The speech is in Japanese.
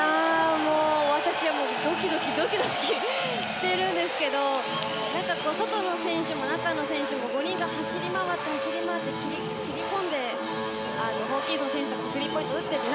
私はもうドキドキしているんですけど外の選手も中の選手も５人が走り回って切り込んでホーキンソン選手とかもスリーポイント打ってって。